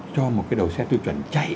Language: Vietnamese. cho một cái đầu xe tiêu chuẩn chạy